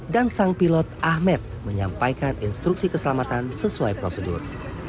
dan sang pilot ahmed menyampaikan instruksi keselamatan sesuai prosedur